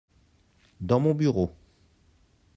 dans mon bureau.